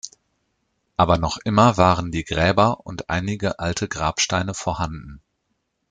Aber noch immer waren die Gräber und einige alte Grabsteine vorhanden.